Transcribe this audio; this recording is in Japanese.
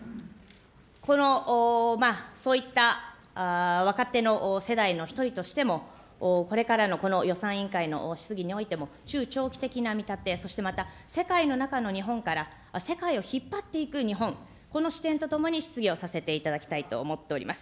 そういった若手の世代の１人としてもこれからのこの予算委員会の質疑においても、中長期的な見立て、そしてまた世界の中の日本から世界を引っ張っていく日本、この視点とともに質疑をさせていただきたいと思っております。